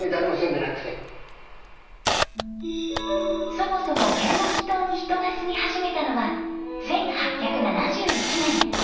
そもそも嶮暮帰島に人が住み始めたのは１８７１年。